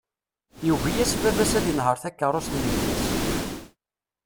Yugi-yas baba-s ad inher takerrust n gma-s.